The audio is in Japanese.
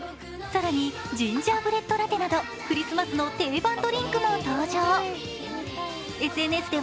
更に、ジンジャーブレッドラテなどクリスマスの定番ドリンクも登場。